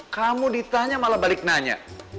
kamu ditanya malah balik nanya